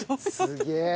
すげえ。